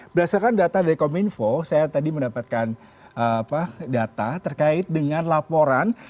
berdasarkan data dari kominfo saya tadi mendapatkan data terkait dengan laporan